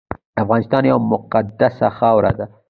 افغانستان یوه مقدسه خاوره ده